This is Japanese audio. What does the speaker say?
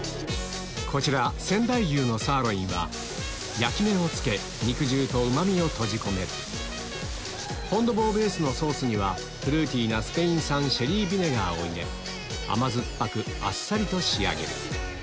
こちら仙台牛のサーロインは焼き目をつけ肉汁とうま味を閉じ込めるフォン・ド・ボーベースのソースにはフルーティーな甘酸っぱくあっさりと仕上げる